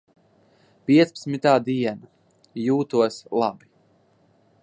Piecpadsmitā diena. jūtos labi.